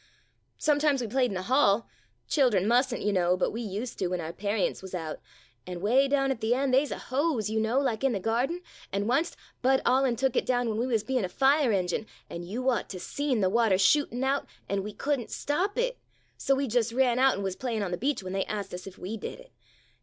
Sometimes we played in the hall — chil dern must n't, you know, but we ust to when our parients wuz out — an' 'way down at the end they is a hose, you know, like in the iop MODERN MONOLOGUES garden, an' onct Bud Allin took it down when we wuz being a fire engine, an' you ought to seen the water shootin' out, an' we could n't stop it. So we just ran out an' wuz playin' on the beach when they ast us if we did it.